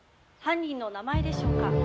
犯人の名前でしょうか。